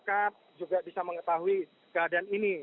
kalau kita berbicara tentang hal ini